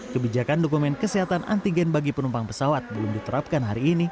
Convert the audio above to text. kebijakan dokumen kesehatan antigen bagi penumpang pesawat belum diterapkan hari ini